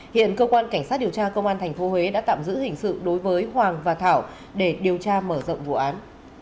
hiện cơ quan cảnh sát điều tra công an tp huế đã tạm giữ hình sự đối với hoàng và thảo để điều tra mở rộng vụ án